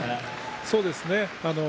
そうですね。